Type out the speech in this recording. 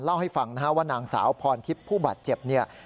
เล่าให้ฟังว่านางสาวพรทิพย์ผู้บัดเจ็บ